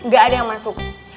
gak ada yang masuk